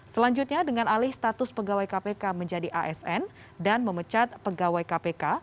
selanjutnya dengan alih status pegawai kpk menjadi asn dan memecat pegawai kpk